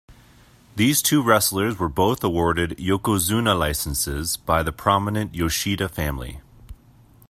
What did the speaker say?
These two wrestlers were both awarded "yokozuna" licences by the prominent Yoshida family.